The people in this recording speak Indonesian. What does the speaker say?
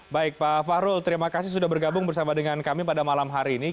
baik pak fahrul terima kasih sudah bergabung bersama dengan kami pada malam hari ini